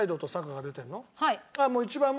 はい。